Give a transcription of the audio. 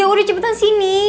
yaudah cepetan sini